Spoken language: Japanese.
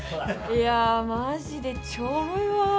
いやマジでちょろいわ。